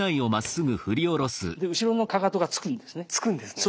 で後ろのかかとがつくんですね。